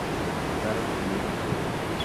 Tae Kimura